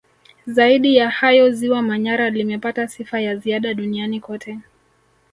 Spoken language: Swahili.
Zaidi ya hayo Ziwa Manyara limepata sifa ya ziada duniani kote